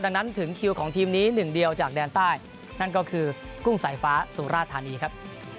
ดังนั้นถึงคิวของทีมนี้หนึ่งเดียวจากแดนใต้นั่นก็คือกุ้งสายฟ้าสุราธานีครับ